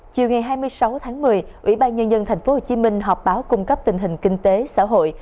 chiều ngày hai mươi sáu tháng một mươi ủy ban nhân dân tp hcm họp báo cung cấp tình hình kinh tế xã hội